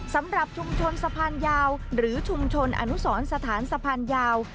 สำหรับชุมชนสะพานยาวหรือชุมชนอนุสรสถานสะพานยาว